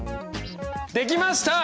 できました！